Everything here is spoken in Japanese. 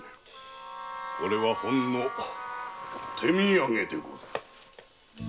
これはほんの手土産でござる。